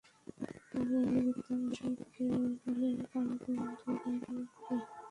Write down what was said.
আরে গুপ্তামশাই, এইভাবে হলে কারো বন্ধুরই বিয়ে হবে।